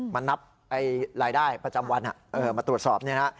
มานับรายได้ประจำวันมาตรวจสอบเนี่ยนะ